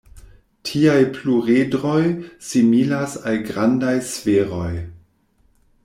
Tiaj pluredroj similas al grandaj sferoj.